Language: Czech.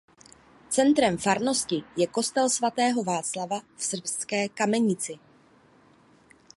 Centrem farnosti je kostel svatého Václava v Srbské Kamenici.